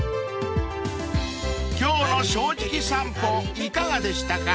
［今日の『正直さんぽ』いかがでしたか？］